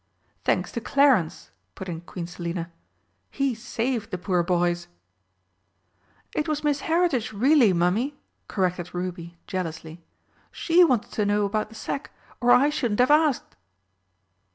"Thanks to Clarence!" put in Queen Selina. "He saved the poor boys!" "It was Miss Heritage, really, Mummy!" corrected Ruby jealously. "She wanted to know about the sack, or I shouldn't have asked."